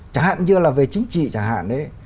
chẳng hạn như là về chính trị chẳng hạn đấy